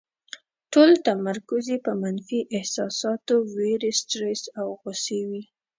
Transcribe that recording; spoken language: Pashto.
ټول تمرکز یې په منفي احساساتو، وېرې، سټرس او غوسې وي.